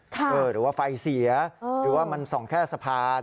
หรือว่าไฟเสียหรือว่ามันส่องแค่สะพาน